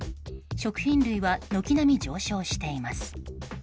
食品類は軒並み上昇しています。